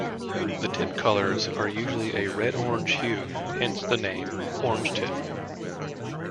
The tip colors are usually a red-orange hue, hence the name "orange tip".